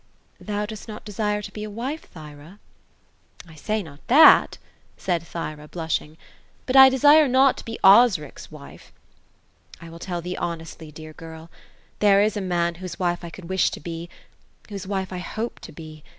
" Thou dost not desire to be a wife, Thyra?" " I say^ not that ;" said Thyra, blushing ;*' but I desire not to be Osric's wife. I will tell theo honestly, dear girl. There is a man whose wife I could wish to be — whose wife I hope to be.